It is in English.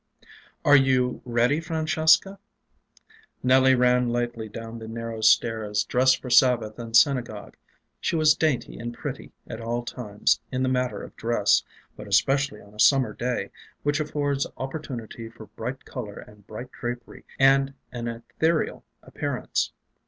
"Are you ready, Francesca?" Nelly ran lightly down the narrow stairs, dressed for Sabbath and Synagogue. She was dainty and pretty at all times in the matter of dress, but especially on a summer day, which affords opportunity for bright color and bright drapery and an ethereal appearance.